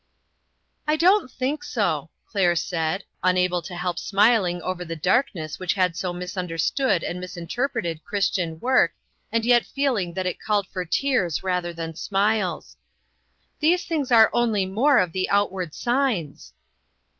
"I don't think so," Claire said, unable to help smiling over the darkness which had so misunderstood and misinterpreted Christian work, and yet feeling that it called for tears rather than smiles ;" these things are only more of the 'outward signs.''